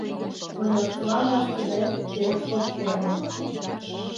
Мый ошкылам вашкыде Пӧт воктене